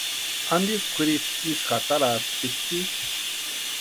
¿Antisï kwʼiripu ísï jatarhaatspikʼi?